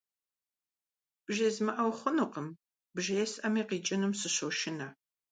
БжезмыӀэу хъунукъым, бжесӀэми къикӀынум сыщошынэ.